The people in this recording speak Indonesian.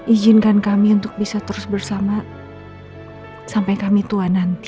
izinkan kami untuk bisa terus bersama sampai kami tua nanti